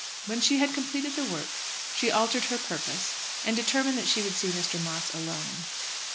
When she had completed the work she altered her purpose, and determined that she would see Mr. Moss alone.